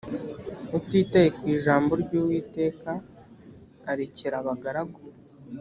utitaye ku ijambo ry uwiteka arekera abagaragu